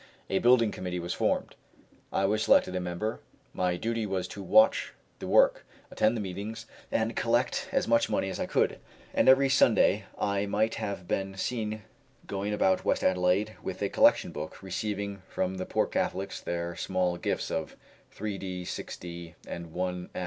A building committee was formed, and I was selected a member. My duty was to watch the work, attend the meetings, and collect as much money as I could; and every Sunday I might have been seen going about West Adelaide with a collection book, receiving from the poor Catholics their small gifts of 3d., 6d., and 1s.